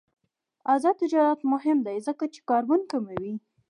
آزاد تجارت مهم دی ځکه چې کاربن کموي.